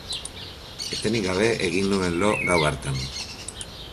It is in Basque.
Etenik gabe egin nuen lo gau hartan.